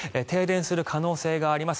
停電する可能性があります。